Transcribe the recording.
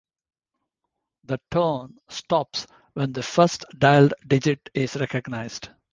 The tone stops when the first dialed digit is recognized.